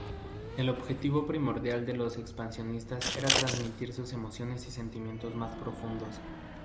El objetivo primordial de los expresionistas era transmitir sus emociones y sentimientos más profundos.